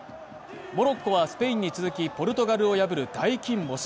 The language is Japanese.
モロッコはスペインに続きポルトガルを破る大金星。